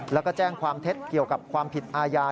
แล้วก็แจ้งความเท็จเกี่ยวกับความผิดอาญา